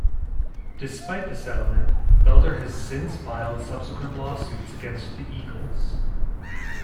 Despite the settlement, Felder has since filed subsequent lawsuits against the Eagles.